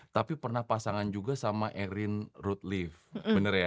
tapi pernah pasangan juga sama erin rutleaf bener ya